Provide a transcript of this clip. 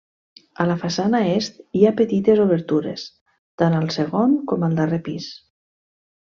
A la façana est, hi ha petites obertures, tant al segon com al darrer pis.